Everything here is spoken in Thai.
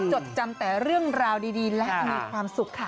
จดจำแต่เรื่องราวดีและมีความสุขค่ะ